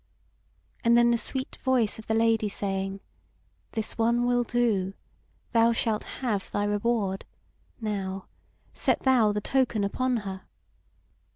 and then the sweet voice of the Lady saying: 'This one will do; thou shalt have thy reward: now, set thou the token upon her.'